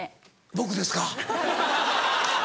僕ですか？